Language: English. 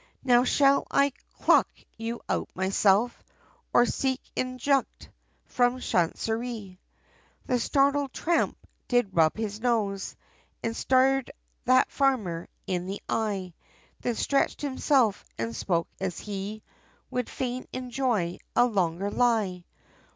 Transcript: Now shall I chuck you out myself, Or seek injunct, from Chancerie?" The startled tramp, did rub his nose, And stared that farmer, in the eye, Then stretched himself, and spoke as he, Would fain enjoy a longer lie.